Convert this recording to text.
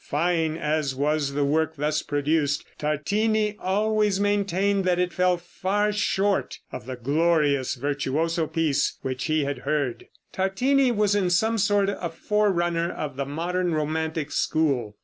Fine as was the work thus produced, Tartini always maintained that it fell far short of the glorious virtuoso piece which he had heard. Tartini was in some sort a forerunner of the modern romantic school.